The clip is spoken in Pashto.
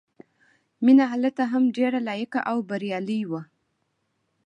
مینه هلته هم ډېره لایقه او بریالۍ وه